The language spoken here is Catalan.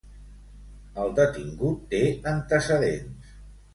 El detingut té antecedents.